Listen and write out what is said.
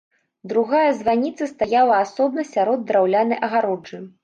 Другая званіца стаяла асобна сярод драўлянай агароджы.